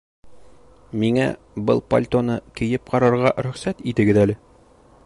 Миңә был пальтоны кейеп ҡарарға рөхсәт итегеҙ әле